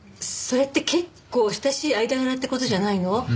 それって結構親しい間柄って事じゃないの？